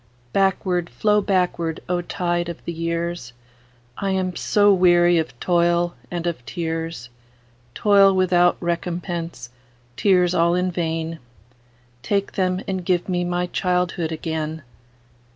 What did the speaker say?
Backward, flow backward, O tide of the years!I am so weary of toil and of tears,—Toil without recompense, tears all in vain,—Take them, and give me my childhood again!